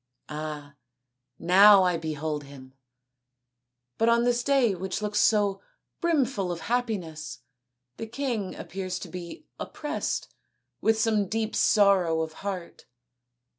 Ah, now I behold him, but on this day which looks so brimful of happiness the king appears to be oppressed with some deep sorrow of heart.